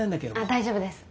大丈夫です。